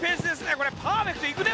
これパーフェクトいくね